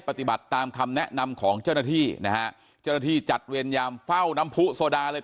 ปฏิบัติตามคำแนะนำของเจ้าหน้าที่นะฮะเจ้าหน้าที่จัดเวรยามเฝ้าน้ำผู้โซดาเลย